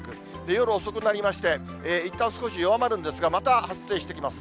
夜遅くなりまして、いったん少し弱まるんですが、また発生してきます。